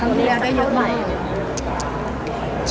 ว่าแต่หน้าทักได้ได้เกินไป